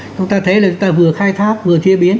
chúng ta thấy là chúng ta vừa khai thác vừa chế biến